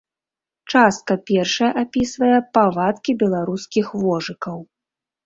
Частка першая апісвае павадкі беларускіх вожыкаў.